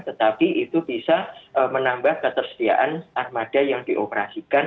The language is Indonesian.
tetapi itu bisa menambah ketersediaan armada yang dioperasikan